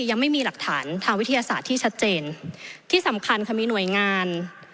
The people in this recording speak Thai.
ยังไม่มีหลักฐานทางวิทยาศาสตร์ที่ชัดเจนที่สำคัญค่ะมีหน่วยงาน